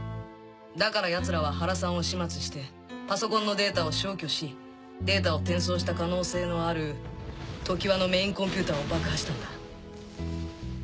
だから奴らは原さんを始末してパソコンのデータを消去しデータを転送した可能性のあるＴＯＫＩＷＡのメインコンピューターを爆破したんだ。